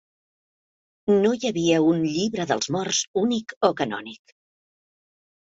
No hi havia un "Llibre dels Morts" únic o canònic.